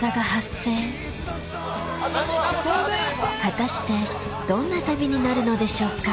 果たしてどんな旅になるのでしょうか？